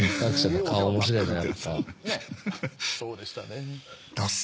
そうでしたね。